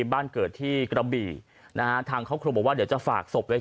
บ้านเกิดที่กระบี่นะฮะทางครอบครัวบอกว่าเดี๋ยวจะฝากศพไว้